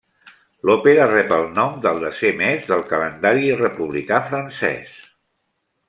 L'òpera rep el nom del desè mes del calendari republicà francès.